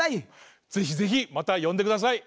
ぜひぜひまたよんでください！